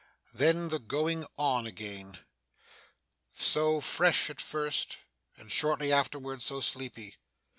Then the going on again so fresh at first, and shortly afterwards so sleepy.